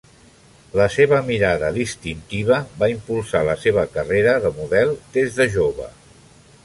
La seva mirada distintiva va impulsar la seva carrera de model des de jove.